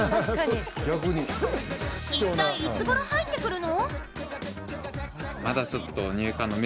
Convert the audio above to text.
一体、いつごろ入ってくるの？